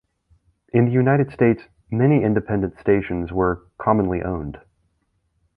In the United States, many independent stations were commonly owned.